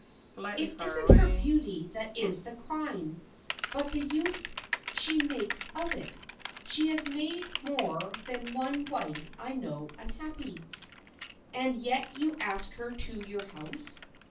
"It isn't her beauty that is the crime, but the use she makes of it. She has made more than one wife I know unhappy." "And yet you ask her to your house?"